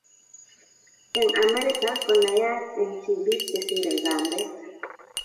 Eng Amerika konayat eng tibiik chesire kambet